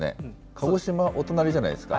鹿児島、お隣じゃないですか。